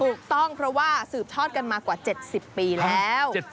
ถูกต้องเพราะว่าสืบทอดกันมากว่า๗๐ปีแล้ว